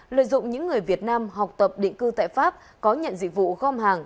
lợi dụng những người việt nam học tập định cư tại pháp có nhận dịch vụ gom hàng